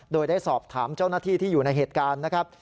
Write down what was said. โดยได้สอบถามเจ้าหน้าที่ที่อยู่ในเหตุการณ์นะครับ